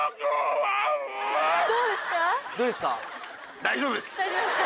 大丈夫ですか？